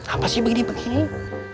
apa sih begini begini